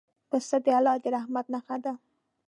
پسه د الله د رحمت نښه ده.